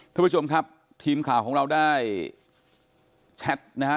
ท่านผู้ชมครับทีมข่าวของเราได้แชทนะฮะ